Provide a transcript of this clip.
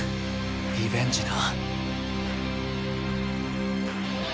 リベンジな。